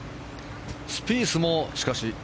スピースも、しかし。